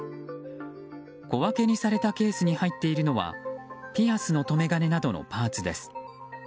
小分けにされたケースに入っているのはピアスの留め金などのパーツです。